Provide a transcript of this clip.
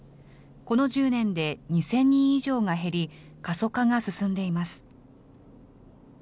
この１０年で２０００人以上が減り、過疎化が進んでいます。